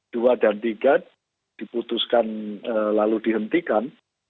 dua dan tiga diputuskan lalu dihentikan